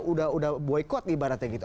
udah boycott ibaratnya gitu